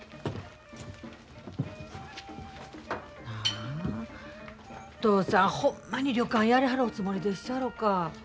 なあ嬢さんほんまに旅館やらはるおつもりでっしゃろか。